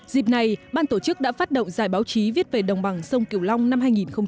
dịp này ban tổ chức đã phát động giải báo chí viết về đồng bằng sông kiều long năm hai nghìn một mươi chín